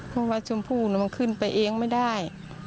เพราะว่าชมพู่มันขึ้นไปเองไม่ได้